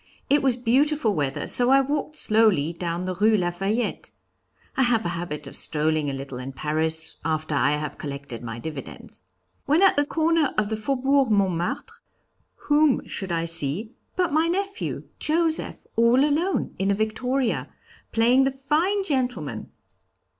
It was beautiful weather, so I walked slowly down the Rue Lafayette. (I have a habit of strolling a little in Paris after I have collected my dividends.) When at the corner of the Faubourg Montmartre, whom should I see but my nephew, Joseph, all alone in a victoria, playing the fine gentleman.